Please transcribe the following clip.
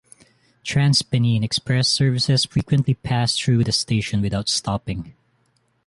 TransPennine Express services frequently pass through the station without stopping.